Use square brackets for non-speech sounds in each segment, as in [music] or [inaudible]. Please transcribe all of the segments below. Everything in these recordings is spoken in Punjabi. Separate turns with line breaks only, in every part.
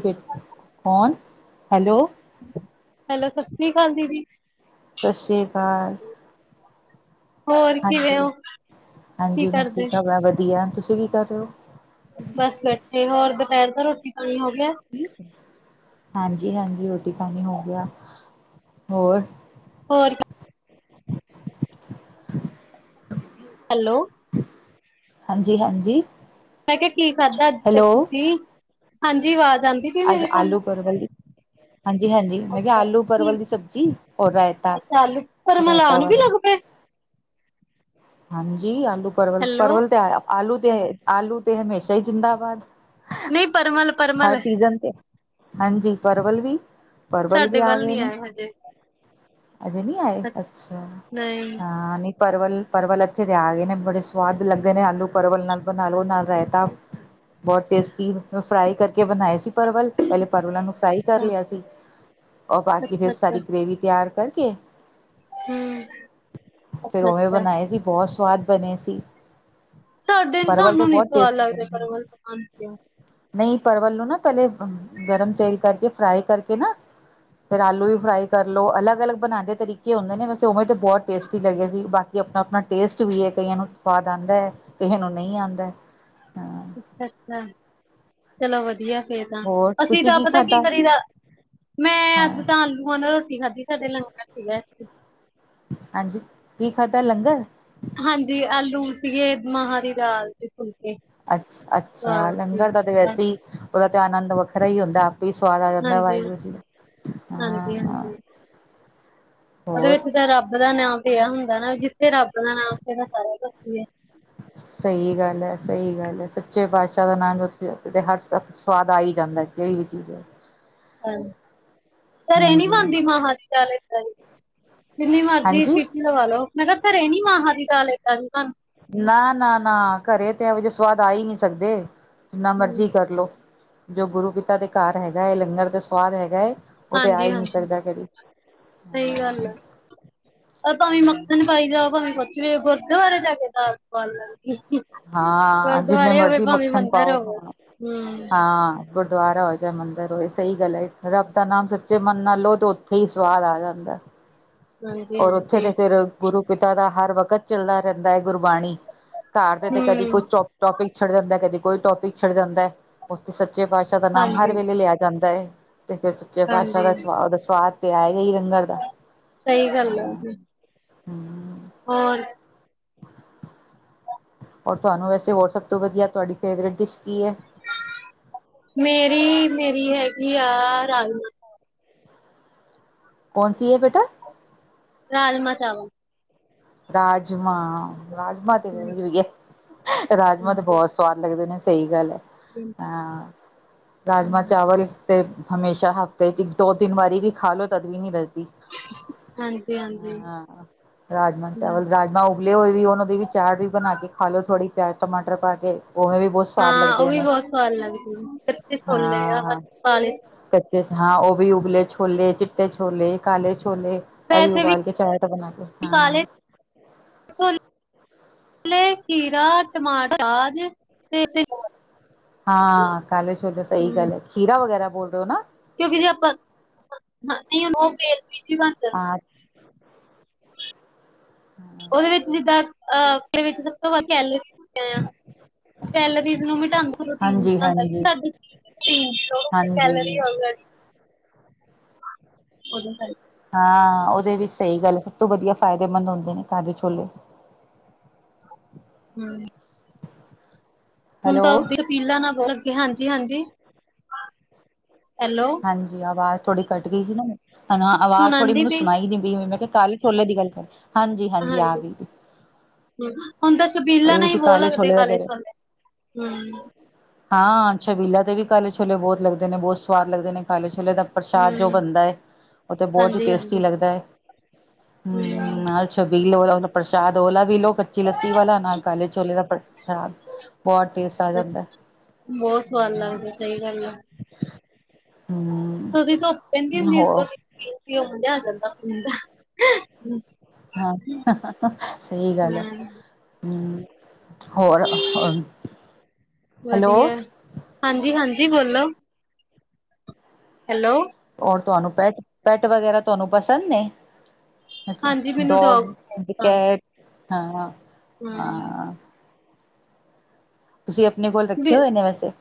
ਥੇ ਕੌਨ ਹੈਲੋ।
ਹੈਲੋ, ਸਸ ਰੀ ਕਾਲ ਦੀਦੀ।
ਸਸ ਰੀ ਕਾਲ।
ਹੋਰ ਕਿਵੇਂ
ਹਾਂਜੀ,
ਹੋ ਕੀ
ਹਾਂਜੀ ਮੈਂ
ਕਰਦੇ
ਠੀਕ ਆਂ ਬਹੁ ਵਦੀਆ ਤੁਸੀਂ ਕੀ ਕਰ ਰਏ ਓਂ।
ਬਸ ਬੈਠੇ ਹੋਰ ਦੁਪੈਰ ਦਾ ਰੋਟੀ ਪਾਨੀ ਹੋ ਗੇਆ।
ਹਾਂਜੀ-ਹਾਂਜੀ‌ ਰੋਟੀ-ਪਾਨੀ ਹੋ ਗੇਆ, ਹੋਰ
ਹੋਰ ਹੈਲੋ,
ਹਾਂਜੀ-ਹਾਂਜੀ।
ਮੈਂ ਕਿਆ ਕੀ ਖਾਦਾ ਅੱਜ ਫੇਰ ਤੁਸੀਂ, ਹਾਂਜੀ ਆਵਾਜ਼ ਆਂਦੀ
ਅੱਜ ਆਲੂ ਪਰਵਲੀ ਹਾਂਜੀ-ਹਾਂਜੀ ਮੈਂ ਕਿਆ
ਅੱਛਾ
ਆਲੂ
ਕੀ
ਪਰਵਲ ਦੀ ਸਬਜ਼ੀ ਔਰ
ਅੱਛਾ ਆਲੂ ਪਰਮਲ
ਰਾਏਤਾ-ਰਾਏਤਾ
ਆਣ ਵੀ
ਵਗੈਰਾ
ਲੱਗ ਪਏ
ਹਾਂਜੀ ਆਲੂ
ਹੈਲੋ
ਪਰਵਲ-ਪਰਵਲ ਤੇ ਆ ਆਲੂ ਤੇ ਆਲੂ ਤੇ ਹਮੇਸ਼ਾ ਈ ਜ਼ਿੰਦਾਬਾਦ।
ਨਹੀਂ ਪਰਮਲ
ਹਰ
ਪਰਮਲ
ਸੀਜਨ ਤੇ, ਹਾਂਜੀ ਪਰਵਲ ਵੀ ਪਰਵਲ ਵੀ
ਸਾਡੇ
ਆ
ਵੱਲ
ਗਏ
ਨੀ
ਨੇ।
ਆਏ ਹਜੇ
ਅਜੇ ਨੀ ਆਏ ਅੱਛਾ,
ਨਹੀਂ
ਹਾਂ ਨਈਂ ਪਰਵਲ ਪਰਵਲ ਏਥੇ ਤੇ ਆ ਗਏ ਨੇ ਬੜੇ ਸਵਾਦ ਲੱਗਦੇ ਨੇ ਆਲੂ ਪਰਵਲ ਨਾਲ ਬਨਾ ਲੋ ਨਾਲ ਰਾਏਤਾ। ਬੋਤ ਟੇਸਟੀ‌ ਫਰਾਈ ਕਰਕੇ ਬਨਾਏ ਸੀ ਪਰਵਲ, ਪੈਲੇ ਪਰਵਲਾਂ ਨੂੰ ਫਰਾਈ ਕਰ ਲੇਆ ਸੀ, ਓ ਬਾਕੀ
ਅੱਛਾ
ਫੇਰ
ਅੱਛਾ
ਸਾਰੀ ਗ੍ਰੇਵੀ ਤਿਆਰ ਕਰਕੇ
ਹਮ
ਫਿਰ
ਅੱਛਾ
ਉਵੇਂ
ਅੱਛਾ
ਬਣਾਏ ਸੀ। ਬਹੁਤ ਸਵਾਦ ਬਣੇ ਸੀ।
ਸਾਡੇ
ਪਰਵਲ ਤੇ
ਸਾਨੂੰ ਨੀ
ਬਹੁਤ
ਸਵਾਦ
ਟੇਸਟੀ
ਲੱਗਦਾ
ਬਣਦਾ ਹੈ।
ਪਰਵਲ।
ਨਹੀਂ। ਪਰਵਲ ਨੂੰ ਨਾ, ਪਹਿਲੇ ਗਰਮ ਤੇਲ ਕਰਕੇ ਫਰਾਈ ਕਰਕੇ ਨਾ। ਫੇਰ ਆਲੂ ਵੀ ਫਰਾਈ ਕਰ ਲਓ। ਅਲੱਗ -ਅਲੱਗ ਬਉਂਦੇ ਤਰੀਕੇ ਹੁੰਦੇ ਨੇ। ਵੈਸੇ ਉਵੇਂ ਤਾਂ ਬਹੁਤ ਟੇਸਟੀ ਲੱਗਗੇ ਸੀ। ਬਾਕੀ‌। ਕਿ ਆਪਣਾ -ਆਪਣਾ ਟੇਸਟ ਵੀ ਹੈ। ਕਈਆਂ ਨੂੰ ਸਵਾਦ ਆਉਂਦਾ ਹੈ। ਕਈਆਂ ਨੂੰ ਨਹੀਂ ਆਉਂਦਾ। ਹਾਂ
ਅੱਛਾ-ਅੱਛਾ ਚਲੋ ਵਧੀਆ। ਤਾਂ
ਹੋਰ
ਅਸੀਂ
ਤੁਸੀਂ
ਤਾਂ ਪਤਾ
ਖਾਧਾ?
ਕੀ ਕਰੀਦਾ। ਮੈਂ ਅੱਜ
ਹਾਂ,
ਤਾਂ। ਹੁਨ ਰੋਟੀ ਖਾਧੀ। ਸਾਡੇੈ ਲੰਗਰ ਸੀਗਾ।
ਹਾਂਜੀ, ਕੀ ਖਾਧਾ ਲੰਗਰ?
ਹਾਂਜੀ, ਆਲੂ ਸੀਗੇ। ਮਾਹਾਂ ਦੀ ਦਾਲ ਤੇ। ਫੁਲਕੇ
ਅੱਛ-ਅੱਛਾ,
ਸਵਾਦ ਸੀ।
ਲੰਗਰ ਦਾ ਤੇ ਵੈਸੇ
ਹਾਂਜੀ,
ਹੀ ਉਹਦਾ ਤੇ ਆਨੰਦ ਵੱਖਰਾ ਹੀ ਹੁੰਦਾ। ਵੀ ਸਵਾਦ ਆ ਜਾਂਦਾ। ਵਾਹਿਗੁਰੂ ਜੀ ਦਾ
ਹਾਂਜੀ,
ਹਮ।
ਹਾਂਜੀ। ਉਹਦੇ ਵਿੱਚ ਤਾਂ ਰੱਬ ਦਾ ਨਾਂ ਪਿਆ ਹੁੰਦਾ ਨਾ। ਜਿੱਥੇ ਰੱਬ ਦਾ ਨਾਂ, ਉੱਥੇ ਤਾਂ ਸਾਰਾ ਕੁਛ।
ਸਹੀ ਗੱਲ ਹੈ। ਸਹੀ ਗੱਲ ਹੈ। ਸੱਚੇ ਪਾਤਸ਼ਾਹ ਦਾ ਨਾਮ ਲੋ। ਸਵਾਦ ਆਈ ਜਾਂਦਾ ਜਿਹੜੀ ਵੀ ਚੀਜ਼ ਹੈ।
ਘਰੇ ਨਹੀਂ
ਹਾਂਜੀ।
ਬਣਦੀ ਮਾਂਵਾਂ ਦੀ ਦਾਲ ਏਦਾਂ ਦੀ। ਜਿੰਨੀ ਮਰਜੀ
ਹਾਂਜੀ,
ਸਿਟੀ ਲਵਾ ਲੋ ਮੈਂ ਕਿਹਾ ਘਰੇ ਨੀ ਮਾਹਾਂ ਦੀ ਦਾਲ ਏਦਾਂ ਦੀ ਬਣਦੀ।
ਨਾ ਨਾ ਨਾ ਘਰੇ ਤੇ ਇਹੋ ਜਿਹੇ ਸਵਾਦ ਆ ਹੀ ਨਹੀਂ ਸਕਦੇ। ਜਿੰਨਾ
ਬਣਦੀ।
ਮਰਜ਼ੀ ਕਰ ਲਉ ਜੋ ਗੁਰੂ ਪਿਤਾ ਦੇ ਘਰ ਹੈਗਾ ਹੈ। ਲੰਗਰ ਦਾ ਸੁਵਾਦ ਹੈਗਾ ਹੈ। ਉਹ ਤੇ ਆ
ਹਾਂਜੀ
ਹੀ ਨਹੀਂ
ਹਾਂਜੀ
ਸਕਦਾ ਕਦੀ।
ਸਹੀ ਗੱਲ
ਹਾਂ,
ਆ ਭਾਵੇਂ ਮੱਖਣ ਪਾਈ ਜਾਓ ਭਾਵੇਂ ਕੁਛ ਵੀ ਗੁਰੂਦਵਾਰੇ ਬਾਰੇ ਜਾ ਕੇ ਤਾਂ ਗੱਲ
ਹਾਂ ਜਿੰਨੇ ਮਰਜ਼ੀ
ਭਾਵੇਂ
ਮੱਖਣ
ਮੰਦਿਰ
ਪਾਓ
ਹੋਵੇ
ਹਾਂ,
ਹੂੰ
ਹਾਂ। ਗੁਰਦੁਆਰਾ ਹੋ ਚੇ ਮੰਦਿਰ ਹੋਏ ਸਹੀ ਗੱਲ ਹੈ ਰੱਬ ਦਾ ਨਾਮ ਸੱਚੇ ਮਨ ਨਾਲ ਲਓ ਤੇ ਉੱਥੇ ਹੀ ਸਵਾਦ ਆ ਜਾਂਦਾ।
ਹਾਂਜੀ
ਔਰ ਉੱਥੇ
ਹਾਂਜੀ
ਤੇ ਫਿਰ ਗੁਰੂ ਪਿਤਾ ਦਾ ਹਰ ਵਕਤ ਚੱਲਦਾ ਰਹਿੰਦਾ ਹੈ ਗੁਰਬਾਣੀ ਘਰ ਦੇ ਤੇ ਕਦੀ
ਹੂੰ
ਕੋਈ ਟੋਪਿਕ ਛਿੜ੍ਹ ਜਾਂਦਾ ਕਦੀ ਕੋਈ ਟੋਪਿਕ ਛਿੜ੍ਹ ਜਾਂਦਾ ਹੈ। ਉੱਥੇ ਸੱਚੇ ਪਾਤਸ਼ਾਹ ਦਾ ਨਾਮ ਹਰ
ਹਾਂਜੀ
ਵੇਲੇ ਲਿਆ ਜਾਂਦਾ ਹੈ ਤੇ ਫਿਰ ਸੱਚੇ ਪਾਤਸ਼ਾਹ ਦਾ ਸ
ਹਾਂਜੀ
ਸਵਾਦ ਤੇ ਆਏਗਾ ਹੀ ਲੰਗਰ ਦਾ
ਸਹੀ ਗੱਲ ਆ
ਹਾਂ [unintelligible]
ਹੋਰ।
ਔਰ ਤੁਹਾਨੂੰ ਵੈਸੇ ਹੋਰ ਸਭ ਤੋਂ ਵਧੀਆ ਤੁਹਾਡੀ ਫੇਵਰੇਟ ਡਿਸ਼ ਕੀ ਹੈ।
ਮੇਰੀ ਮੇਰੀ ਹੈਗੀ ਆ ਰਾਜਮਾ
ਕੌਣ ਸੀ ਹੈ ਬੇਟਾ?
ਰਾਜਮਾ ਚਾਵਲ।
ਰਾਜਮਾਂ ਰਾਜਮਾਂ ਤੇ
ਹਮ,
[unintelligible] ਰਾਜਮਾਂ ਤੇ ਬਹੁਤ ਸਵਾਦ ਲੱਗਦੇ ਨੇ ਸਹੀ ਗੱਲ ਹੈ
ਹਾਂਜੀ
ਅਹ ਰਾਜਮਾਂ
ਹਮ,
ਚਾਵਲ ਤੇ ਹਮੇਸ਼ਾ ਹਫ਼ਤੇ ਚ ਦੋ ਤਿੰਨ ਵਾਰੀ ਵੀ ਖਾ ਲੋ ਤਦ ਵੀ ਨ ਰੱਜ
ਹਾਂਜੀ
ਹਾਂ ਰਾਜਮਾ।
ਹੂੰ
ਰਾਜਮਾਂ ਉਬਲੇ ਹੋਏ ਵੀ ਉਹ ਦੀ ਵੀ ਚਾਟ ਵੀ ਬਣਾ ਕੇ ਖਾ ਲਿਓ ਥੋੜ੍ਹੀ ਪਿਆਜ ਟਮਾਟਰ ਪਾ ਕੇ ਉਵੇਂ ਵੀ ਬਹੁਤ ਸਵਾਦ
ਹਾਂ ਉਹ
ਲੱਗਦੇ
ਵੀ
ਨੇ
ਬਹੁਤ ਸਵਾਦ ਲੱਗਦੀ ਚਿੱਟੇ ਛੌਲੇ ਯਾ
ਹਾਂ
ਕਾਲੇ
ਕੱਚੇ ਚ ਹਾਂ ਉਹ ਵੀ ਉਬਲੇ ਛੋਲੇ, ਚਿੱਟੇ ਛੋਲੇ, ਕਾਲੇ ਛੋਲੇ ਇਹ ਹੀ
ਵੈਸੇ ਵੀ
ਉਬਾਲ ਕੇ ਚਾਟ ਬਣਾ ਲੋ
ਕਾਲੇ [unintelligible] ਪਲੇ ਖੀਰਾ ਟਮਾਟਰ [unintelligible]
ਹਾਂ ਕਾਲੇ ਛੋਲੇ ਸਹੀ
ਹੂੰ
ਗੱਲ ਹੈ ਖੀਰਾ ਵਗੈਰਾ ਬੋਲ ਰਹੇ ਹੋ ਨਾ।
ਕਿਉਂਕਿ ਜੇ ਆਪਾਂ ਨਹੀਂ ਉਹ [unintelligible]
[unintelligible] ਹੂੰ।
ਉਹਦੇ ਵਿੱਚ ਜਿੱਦਾਂ ਅਦੇ ਵਿੱਚ ਸਭ ਤੋਂ ਵੱਧ ਕੈਲਰੀ ਹੁੰਦੇ ਆ। ਓ ਕੈਲਾਰੀਜ਼ ਨੂੰ।
ਹਾਂਜੀ ਹਾਂਜੀ ਹਾਂਜੀ
[unintelligible] [unintelligible]
ਹਾਂ ਉਹਦੇ ਵੀ ਸਹੀ ਗੱਲ ਸਭ ਤੋਂ ਵਧੀਆ ਫਾਇਦੇਮੰਦ ਹੁੰਦੇ ਨੇ ਕਾਲੇ ਛੋਲੇ।
ਹੂੰ। ਹੁਨੂੰ
ਹੈਲੋ
ਤਾਂ ਅੱਦੀ ਅਪੀਲਾਂ ਨਾਲ ਬੋ ਅੱਗੇ ਹਾਂਜੀ ਹਾਂਜੀ ਹੈਲੋ।
ਹਾਂਜੀ ਆਵਾਜ਼ ਥੋੜੀ ਕਟ ਗਈ ਸੀ ਨਾ ਹਨਾ
ਹੁਣ
ਆਵਾਜ਼ ਥੋੜੀ
ਆਂਦੀ
ਮੈਨੂੰ ਸੁਣਾਈ ਨੀ ਪਈ ਮੈਂ ਕਿਹਾ ਕਾਲੇ ਛੋਲੇ ਦੀ ਗੱਲ ਕਰੀ ਹਾਂਜੀ ਹਾਂਜੀ ਆ ਗਈ ਜੀ।
ਹੂੰ ਹੁਣ ਤਾਂ ਛਬੀਲਾ
ਉਹੀ
ਨਾ ਹੀ
ਤੁਸੀਂ
ਬਹੁਤ
ਕਾਲੇ
ਲੱਗਦੇ
ਛੋਲੇ ਦਾ
ਕਾਲੇੇ
ਕਹਿ ਰਹੇ
ਛੋਲੇ।
ਹਾਂ ਛਬੀਲਾ ਦੇ ਵੀ ਕਾਲੇ ਛੋਲੇ ਬਹੁਤ ਲੱਗਦੇ ਨੇ ਬਹੁਤ ਸਵਾਦ ਲੱਗਦੇ ਨੇ ਖਾਲੇ ਛੋਲੇ ਦਾ ਪ੍ਰਸ਼ਾਦ ਜੋ
ਹੂੰ
ਬਣਦਾ ਐ ਉਹ ਤਾਂ ਬਹੁਤ ਈ
ਹਾਂਜੀ
ਟੇਸਟੀ
ਹਾਂਜੀ
ਲੱਗਦਾ ਐ।
ਹੂੰ।
ਛੱਬੀਲ ਆਲਾ ਪ੍ਰਸ਼ਾਦ ਉਹਾ ਵੀ ਲੋਓ ਕੱਚੀ ਲੱਸੀ ਵਾਲਾ ਨਾ ਕਾਲੇ ਛੋਲੇ ਦਾ ਪ੍ਰਸ਼ਾਦ। ਹਾਂ ਬਹੁਤ ਟੇਸਟ ਆ ਜਾਂਦਾ।
ਬਹੁਤ ਸਵਾਦ ਲੱਗਦਾ ਸਹੀ ਗੱਲ ਆ
ਹੂੰ
ਦੀ ਧੁੱਪ ਪੈਂਦੀ
ਹੋਰ
ਹੁੰਦੀ ਉਹ ਮਜਾ ਆ ਜਾਂਦਾ ਪੀਣ ਦਾ-
ਹਾਂ ਸਹੀ ਗੱਲ ਆ
ਹਾਂ
ਹੂੰ। ਹੋਰ, ਹੈਲੋ।
ਵਧੀਆ ਹਾਂਜੀ- ਹਾਂਜੀ ਬੋਲੋ। ਹੈਲੋ।
ਔਰ ਤੁਹਾਨੂੰ ਪੈੱਟ - ਪੈੱਟ ਵਗੈਰਾ ਤੁਹਾਨੂੰ ਪਸੰਦ ਨੇ ਅੱਛਾ
ਹਾਂਜੀ ਮੈਨੂੰ
ਡੋਗ,
ਬਹੁਤ ਪਸੰਦ
ਕੈਟ
ਹਾਂ
ਹਾਂ-ਹਾਂ। ਤੁਸੀਂ ਆਪਣੇ ਕੋਲ
ਵੀ
ਰੱਖੇ ਹੋਏ ਨੇ ਵੈਸੇ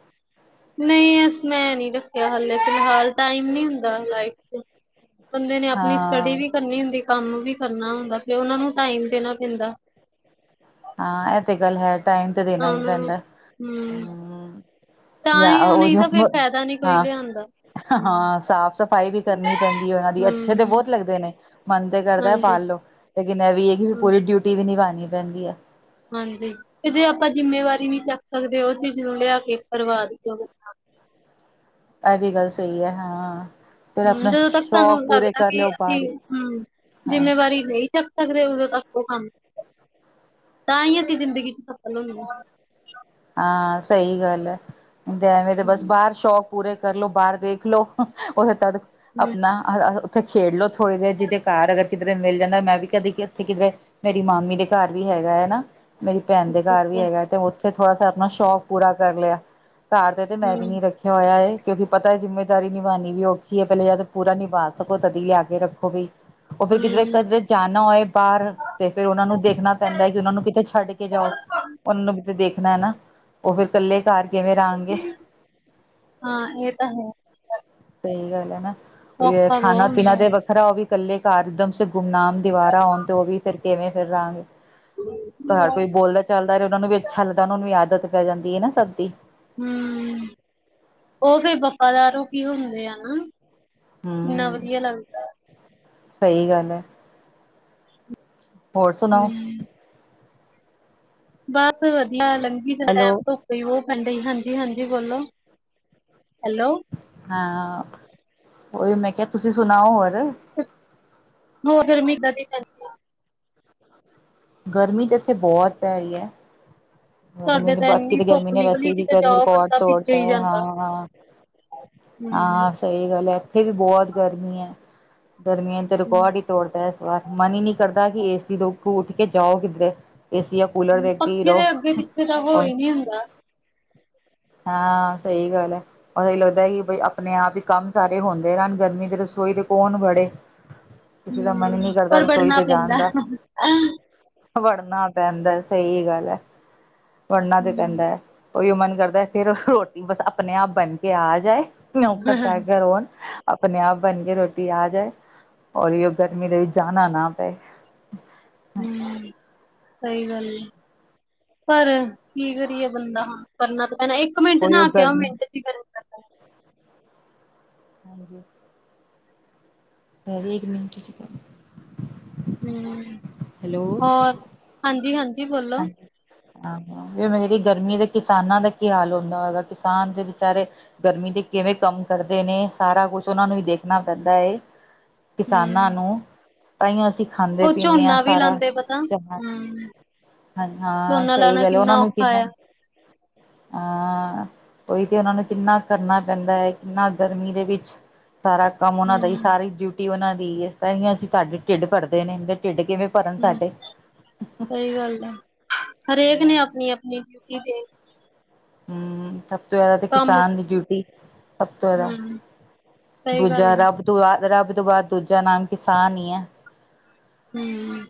ਨਹੀਂ ਅ ਮੈਂ ਨਹੀ ਰੱਖਿਆ, ਹਾਲੇ ਫਿਲਹਾਲ ਟਾਈਮ ਨ ਹੁੰਦਾ ਲਾਈਫ ਚ ਬੰਦੇ ਨੇ ਆਪਣੀ ਸਟੱਡੀ
ਹਾਂ
ਵੀ ਕਰਨੀ ਹੁੰਦੀ, ਕੰਮ ਵੀ ਕਰਨਾ ਹੁੰਦਾ, ਫਿਰ ਉਹਨਾ ਨੂੰ ਟਾਈਮ ਦੇਣਾ ਪੈਂਦਾ
ਹਾਂ ਇਹ ਤੇ ਗੱਲ ਹੈ ਟਾਈਮ ਤੇ
ਤਾਂ
ਦੇਣਾ ਹੀ
ਉਹਨਾਂ ਨੂੰ
ਪੈਂਦਾ ਹੂੰ
ਤਾਂ
ਜਾਂ
ਹੀ ਉਹ ਨਹੀਂ ਤਾਂ ਫਿਰ
[unintelligible]
ਫਾਇਦਾ ਨੀ ਕੋਈ
ਹਾਂ
ਲਿਆਂਦਾ ਹੂੰ
ਹਾਂ ਸਾਫ਼ ਸਫ਼ਾਈ ਵੀ ਕਰਨੀ ਪੈਂਦੀ ਐ ਉਹਨਾਂ ਦੀ, ਅੱਛੇ ਤੇ ਬਹੁਤ
ਹੂੰ
ਲੱਗਦੇ ਨੇ, ਮਨ ਤੇ ਕਰਦਾ
ਹਾਂਜੀ
ਪਾਲ ਲੋੋ ਲੇਕਿਨ ਇਹ ਵੀ ਹੈਗੀ
ਹੂੰ
ਪੂਰੀ ਡਿਊਟੀ ਵੀ ਨਿਭਾਉਣੀ ਪੈਂਦੀ ਐ
ਹਾਂਜੀ ਤੇ ਜੇ ਆਪਾਂ ਜਿੰਮੇਵਾਰੀ ਨੀ ਚੱਕ ਸਕਦੇ, ਉਹ ਚੀਜ਼ ਨੂੰ ਲਿਆ ਕੇ ਬਰਬਾਦ ਕਿਓਂ [unintelligible]
ਇਹ ਵੀ ਗੱਲ ਸਹੀ ਐ, ਹਾਂ ਫਿਰ
ਹੂੰ
ਆਪਣਾ
ਜਦੋਂ ਤੱਕ ਸਾਨੂੰ
ਸ਼ੌਕ ਪੂਰੇ
ਲੱਗਦਾ,
ਕਰ
ਕਿ
ਲਓ
ਅਸੀਂ
ਬਾਹਰ
ਹੂੰ
ਹਾਂ
ਜਿੰਮੇਵਾਰੀ ਨਈ ਚ ਸਕਦੇ ਉਦੋਂ ਤੱਕ ਉਹ ਕੰਮ [unintelligible] ਤਾਂ ਹੀ ਅਸੀਂ ਜ਼ਿੰਦਗੀ ਚ ਸਫਲ ਹੁੰਨੇ ਆ।
ਹਾਂ ਸਹੀ ਗੱਲ ਐ, ਤੇ ਐਵੇਂ ਤੇ ਬਸ
ਹੂੰ
ਬਾਹਰ ਸ਼ੌਕ ਪੂਰੇ ਕਰਲੋ, ਬਾਹਰ ਦੇਖ ਲੋ, ਉਹਦੇ ਤਦ
ਹੂੰ,
ਆਪਣਾ ਅਹ ਉੱਥੇ ਖੇਡ ਲਓ, ਥੋੜ੍ਹੀ ਦੇਰ ਜਿਹਦੇ ਘਰ ਅਗਰ ਕਿਤੇ ਮਿਲ ਜਾਂਦਾ, ਮੈਂ ਵੀ ਕਦੇ ਕਿੱਥੇ ਕਿਤੇ ਮੇਰੀ ਮਾਮੀ ਦੇ ਘਰ ਵੀ ਹੈਗਾ ਐ ਨਾ ਮੇਰੀ ਭੈਣ ਦੇ
ਅੱਛਾ
ਘਰ ਵੀ
ਅੱਛਾ
ਹੈਗਾ ਤੇ ਉੱਥੇ ਥੋੜਾ ਸ ਆਪਣਾ ਸ਼ੌਕ ਪੂਰਾ ਕਰ ਲਿਆ। ਘਰ ਤੇ ਤੇ ਮੈਂ ਵੀ
ਹੂੰ
ਨੀ ਰੱਖੀ। ਹੋਇਆ ਐ ਕਿਉਕਿ ਪਤਾ ਜਿੰਮੇਦਾਰੀ ਨਿਭਾਣੀ ਵੀ ਔਖੀ, ਹੈਏ ਪਹਿਲੇ ਜਦ ਪੂਰਾ ਨਿਭਾ ਸਕੋ, ਤਦੀ ਲਿਆ ਕੇ ਰੱਖੋ ਵੀ ਉਹ
ਹੂੰ
[unintelligible] ਜਾਣਾ ਹੋਏ ਬਾਹਰ, ਤੇ ਫੇਰ ਉਹਨਾ ਨੂੰ ਦੇਖਣਾ ਪੈਂਦਾ ਹੈ, ਕਿ ਉਹਨਾਂ ਨੂੰ ਕਿੱਥੇ ਛੱਡ ਕੇ ਜਾਓ ਉਹਨ ਨੂੰ ਵੀ ਤਾਂ ਦੇਖ ਦੇਖਣਾ ਨਾ, ਓ ਫੇਰ ਕੱਲੇ ਘਾਰ ਫੇਰ ਕਿਵੇਂ ਰਾਂਗੇ।
ਹਾਂ ਇਹ ਤਾਂ ਹੈ
ਸ‌ਈ ਗੱਲ ਐ ਹਨਾ, ਓਈਓ
ਔਖਾ ਬਹੁਤ
ਖਾਣਾ
ਹੁੰਦਾ
ਪੀਣਾ ਤੇ
ਹੈ।
ਵ ਖਰਾ ਓ ਵੀ ਕੱਲੇ ਘਾਰ ਇਕਦਮ ਸੇ ਗੁਮਨਾਮ ਦੀਵਾਰਾ ਆਉਣ ਤੇ, ਓ ਵੀ ਫੇਰ ਕਿਵੇਂ ਫੇਰ ਰਾਂਗੇ। ਘਾਰ ਕੋਈ ਬੋਲਦਾ ਚੱਲਦਾ ਰ‌ਏ, ਓਨਾ ਨੂੰ ਵੀ ਅੱਛਾ ਲੱਗਦਾ। ਓਨਾਂ ਨੂੰ ਵੀ ਆਦਤ ਪੈ ਜਾਂਦੀ ਏ ਨਾ ਸਭ ਦੀ।
ਹੂੰਅ ਓ ਫੇਰ ਵਫ਼ਾਦਾਰ ਲੋਕੀ ਹੁੰਦੇ ਆ ਨਾ। ਕਿੰਨਾ ਵਧੀਆ ਲੱਗਦਾ।
ਸ‌ਈ ਗੱਲ ਐ। ਹੋਰ ਸੁਣਾਓ?
ਹੂੰ ਬਸ ਵਧੀਆ ਲੰਘੀ ਜਾ ਟੈਮ
ਹੈਲੋ
ਤੋਂ ਕੋਈ ਓ ਪੈਂਦਾ ਈ, ਹਾਂਜੀ- ਹਾਂਜੀ ਬੋਲੋ। ਹੈਲੋ
ਹਾਂ ਓਈ ਓ ਮੈਂ ਕਿਆ, ਤੁਸੀਂ ਸੁਣਾਓ ਹੋਰ?
ਹੋਰ ਗਰਮੀ ਏਦਾਂ ਦੀ ਪੈਂਦੀ। ਆ
ਗਰਮੀ ਤੇ ਏਥੇ ਬੋਤ ਪੈ ਰੀ ਐ।
ਸਾਡੇ ਤਾਂ ਏਨੀ
ਗਰਮੀ
ਧੁੱਪ
ਨੇ ਵੈਸੇ
ਨਿਕਲੀ,
ਹੀ
ਕਿਤੇ ਜਾਓ
ਰਿਕਾਰਡ
ਬੰਦਾ ਭਿੱਜੇ
ਤੋੜਤਾ
ਈ
ਹੈ
ਜਾਂਦਾ।
ਹਾਂ
ਹੂੰਅ।
ਸ‌ਈ ਗੱਲ ਐ, ਏਥੇ ਵੀ ਬੋਤ ਗਰਮੀ ਐ। ਗਰਮੀਆਂ ਨੇ ਤੇ ਰਿਕਾਰਡ ਈ ਤੋੜ ਤਾ ਏਸ ਵਾਰ। ਮਨ ਈ ਨੀ ਕਰਦਾ ਕੀ, ਏ ਸੀ ਤੋਂ ਅਗੋਂ ਉੱਠ ਕੇ ਜਾਓ ਕਿੱਧਰੇ। ਏਸੀ ਆ ਕੂਲਰ ਦੇ ਅੱਗੇ ਈ ਰ‌ਓ।
ਓਥੇ ਤਾਂ ਹੋ ਈ ਨੀ ਹੁੰਦਾ।
ਹਾਂ ਸ‌ਈ ਗੱਲ ਐ। ਬਸ ਏਈ ਲੱਗਦਾ ਕੀ ਬ‌ਈ ਆਪਣੇ ਆਪ ਈ ਕੰਮ ਸਾਰੇ ਹੋਂਦੇ ਰੈਣ, ਗਰਮੀ ਦੇ ਰਸੋਈ ਦੇ ਕੌਣ ਵੜੇ। ਕਿਸੇ ਦਾ ਮਨ ਨੀ
ਹੂੰਅ
ਕਰਦਾ
ਪਰ
ਰਸੋਈ
ਬੜਨਾ
ਤੇ ਜਾਣ
ਪੈਂਦਾ।
ਦਾ ਵੜਨਾ ਪੈਂਦਾ, ਸ‌ਈ ਗੱਲ ਐ। ਵੜਨਾ ਤੇ ਪੈਂਦਾ ਐ। ਓਈ ਓ ਮਨ ਕਰਦਾ ਫੇਰ, ਰੋਟੀ ਬਸ ਆਪਣੇ ਆਪ ਬਣ ਕੇ ਆ ਜਾਏ। ਨੋਕਰ ਚਾਕਰ ਹੋਣ। ਆਪਣੇ ਆਪ ਬਣ ਕੇ ਰੋਟੀ ਆ ਜਾਏ, ਔਰ ਜੋ ਗਰਮੀ ਦੇ ਵਿਚ ਜਾਨਾ ਨਾ ਪਏ।
ਹੂੰ ਸਹੀ ਗੱਲ ਐ। ਪਰ ਕੀ ਕਰੀਏ ਬੰਦਾ ਹਾਂ ਕਰਨਾ ਤੇ ਪੈਣਾ। ਇਕ ਮਿੰਟ
ਉਹੀਓ
ਨਾਅ ਕੇ ਆਓ
ਗਰਮੀ
ਮਿੰਟ 'ਚ ਈ ਗਰ-
ਹਾਂਜੀ [inaudible] ਓ ਵੀ ਇਕ ਮਿੰਟ 'ਚ-
ਹੂੰ
ਹੈਲੋ।
ਹੋਰ ਹਾਂਜੀ -ਹਾਂਜੀ ਬੋਲੋ।
ਏਮੇ ਦੀ ਗਰਮੀ ਤੇ ਕਿਸਾਨਾਂ ਦਾ ਕੀ ਹਾਲ ਹੁੰਦਾ ਹੋਏ ਗਾ। ਕਿਸਾਨ ਦੇ ਵਿਚਾਰੇ- ਗਰਮੀ ਦੇ ਕਿਵੇ ਕੰਮ ਕਰਦੇ ਨੇ, ਸਾਰਾ ਕੁਝ ਓਨਾ ਨੂੰ ਈ ਦੇਖਣਾ ਪੈਦਾ ਏ। ਕਿਸਾਨਾਂ
ਹੂੰ
ਨੂੰ ਤਾਈਂਓ ਅਸੀ ਖਾਂਦੇ
ਉਹ
ਪੀਦੇ ਆਂ
ਝੋਨਾ ਵੀ
ਸਾਰਾ।
ਲਾਂਦੇ ਪਤਾ ਹੂੰ
ਹਾਂ- ਹਾਂ
ਝੋਨਾ
ਸ‌ਈ
ਲਾਣਾ
ਗੱਲ ਏ, ਓਨਾ
ਕਿੰਨਾ
ਨੂੰ
ਔਖਾ
ਕਿਨਾ-
ਆ।
ਹਾਂ ਓਈ ਤੇ ਓਨਾ ਨੂੰ ਕਿਨਾ ਕਰਨਾ ਪੈਦਾ ਏ। ਕਿੰਨਾ ਗਰਮੀ ਦੇ ਵਿਚ- ਸਾਰਾ ਕੰਮ ਓਨਾ ਦਾ
ਹੂੰ
ਈ, ਸਾਰੀ ਡਿਊਟੀ ਓਨਾ ਦੀ ਏ। ਤਾਂਈਂ ਓ ਅਸੀ ਤਾਡੇ ਢਿੱਡ ਭਰਦੇ ਨੇ। ਦੇ ਢਿੱਡ ਕਿਵੇ- ਭਰਨ ਸਾਡੇ।
ਸ‌ਈ ਗੱਲ ਏ। ਹਰੇਕ ਨੇ ਆਪਣੀ- ਆਪਣੀ ਡਿਊਟੀ ਦੇ-
ਹੂੰਅ ਸ ਸਬ ਤੋ ਜਾਦਾ ਤੇ
ਕੰਮ
ਕਿਸਾਨ ਦੀ ਡਿਊਟੀ, ਸਭ ਤੋ ਜਾਦਾ
ਹੂੰ ਸਹੀ
ਦੂਜਾ
ਗੱਲ ਐ।
ਰੱਬ। ਤੋਂ ਬਾਦ, ਰੱਬ ਤੋ ਬਾਦ ਦੂਜਾ ਨਾਮ ਕਿਸਾਨ ਏ ਐ।
ਹੂੰ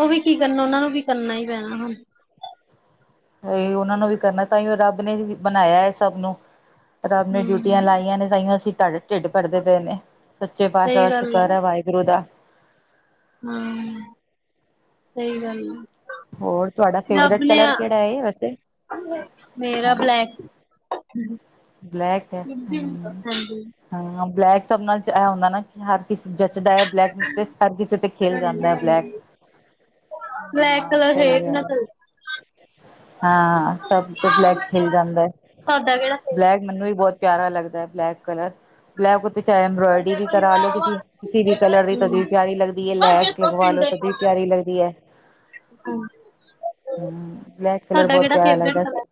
ਓ ਵੀ ਕੀ ਕਰਨਾ ਓਨਾ ਨੂੰ ਵੀ ਕਰਨਾ ਈ ਪੈਣਾ ਹੁਣ।
ਹਾਏ ਓਨਾ ਨੂੰ ਵੀ ਕਰਨਾ, ਤਾਂਈਂ ਓ ਰੱਬ ਨੇ ਵੀ ਬਣਾਇਆ ਏ ਸਭ ਨੂੰ। ਰੱਬ ਨੇ ਡਿਊਟੀਆਂ
ਹੂੰ
ਲਾਈਆਂ ਨੇ ਤਾਂਈਂ ਓ ਅਸੀ ਤਾਡੇ ਢਿੱਡ ਭਰਦੇ ਪਏ ਨੇ ‌। ਸੱਚੇ ਪਾਤਸ਼ਾਹ
ਸਹੀ
ਦਾ
ਗੱਲ
ਸ਼ੁਕਰ ਐ ਵਾਇ- ਵਿਰੋਧ ਦਾ
ਹਾਂ ਸਹੀ ਗੱਲ
ਹੋਰ ਤੁਹਾਡਾ
ਹੈ। ਰੱਬ
ਫੇਵਰੇਟ
ਨੇ
ਕਲਰ
ਆ
ਕਿਹੜਾ ਹੈ ਵੈਸੇ
ਮੇਰਾ
ਹਾਂ
ਬਲੈਕ- [unintelligible]
ਬਲੈਕ ਹੈ।
ਹਾਂਜੀ
ਹੂੰ - ਹਾਂ ਬਲੈਕ ਤਾਂ ਨਾਲ ਇਹ ਹੁੰਦਾ ਨਾ ਹਰ ਕਿਸੇ ਜੱਚਦਾ ਹੈ। ਬਲੈਕ- ਤੇ ਹਰ ਕਿਸੇ ਦੇ ਖੇਲ ਜਾਦਾ ਹੈ।
ਹਾਂਜੀ-ਹਾਂਜੀ
ਬਲੈਕ-
ਬਲੈਕ
ਹਾਂ
ਕਲਰ
ਸਹੀ
ਹਰੇਕ ਨਾ
ਗੱਲ ਹੈ
ਚੱਲਦਾ-
ਹਾਂ ਸਭ ਤੇ ਬਲੈਕ 'ਚ ਖਿਲ ਜਾਂਦਾ ਹੈ।
ਤੁਹਾਡਾ ਕਿਹੜਾ
ਬਲੈਕ ਮੈਨੂੰ ਵੀ ਬਹੁਤ ਪਿਆਰਾ ਲਗਦਾ ਹੈ। ਬਲੈਕ ਕਲਰ- ਲੈ ਕੁਰਤੇ ਚਾਹੇ ਇਬਰਾਇਡਰੀ ਵੀ ਕਰਾ ਲੋ ਕਿ ਕਿਸੇ ਵੀ ਕਲਰ ਦੀ ਪਿਆਰੀ ਲਗਦੀ ਹੈ।
ਅੱਗੇ
ਲੈਸ-
ਤੋਂ
ਲਗਵਾ
ਪਿੰਡ
ਲੋ
ਦੇ
ਕਦੇ ਵੀ
ਕੋਲ
ਪਿਆਰੀ ਲੱਗਦੀ ਹੈ।
ਹਾਂਜੀ।
ਹੂੰ ਬਲੈਕ ਕਲਰ
ਤੁਹਾਡਾ
ਬਹੁਤ
ਕਿਹੜਾ
ਪਿਆਰਾ
ਫੇਵਰੇਟ
ਲਗਦਾ ਤੇ
ਕਲਰ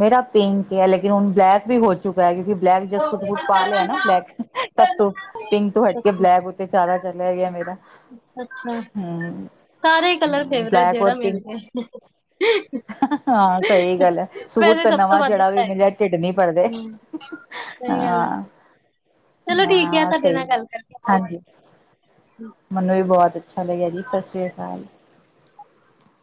ਮੇਰਾ ਪਿੰਕ ਹੈ। ਲੇਕਿਨ ਹੁਣ ਬਲੈਕ ਵੀ ਹੋ- ਬਲੈਕ ਜਿਹਾ ਸੂਟ
ਅੱਛਾ
ਪਾ ਲਿਆ ਨਾ ਬਲੈਕ ਤੋ ਪਿੰਕ ਤੋ ਹਟ ਕੇ ਬਲੈਕ- ਵਿਚਾਰਾ ਚੱਲਿਆ ਗਿਆ ਮੇਰਾ-
ਅੱਛਾ -ਅੱਛਾ।
ਹੂੰ
ਸਾਰੇ ਕਲਰ ਫੇਵਰੇਟ
ਬਲੈਕ
ਜਿਹੜਾ
ਔਰ
ਮਿਲ
ਪਿੰਕ-
ਜਾਏ
ਹਾਂ ਸਹੀ ਗੱਲ ਹੈ। ਸੂਟ
ਵੈਸੇ
ਤਾਂ
ਸਭ ਤੋਂ
ਨਵਾਂ
ਵੱਧ
ਜਿਹੜਾ- ਆ ਵੀ
ਬਲੈਕ
ਮੇਰਾ ਟਿਡ ਨਹੀ ਭਰਦੇ
ਸਹੀ ਗੱਲ ਹੈ
ਹਾਂ।
ਚਲੋ ਠੀਕ ਆ
ਹਾਂ
ਤੁਹਾਡੇ
ਸਹੀ
ਨਾਲ ਗੱਲ ਕਰਕੇ ਬਹੁ-
ਹਾਂਜੀ ਮੈਨੂੰ ਵੀ ਬਹੁਤ ਅੱਛਾ ਲਗਿਆ ਜੀ ਸਤਿ ਸ਼੍ਰੀ ਅਕਾਲ-